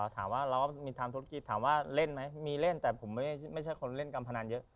ถามว่าเราก็มีทำธุรกิจถามว่าเล่นไหมมีเล่นแต่ผมไม่ใช่คนเล่นการพนันเยอะ